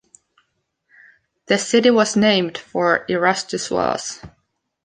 The city was named for Erastus Wells.